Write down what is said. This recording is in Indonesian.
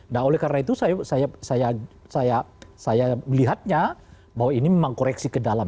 nah oleh karena itu saya melihatnya bahwa ini memang koreksi ke dalam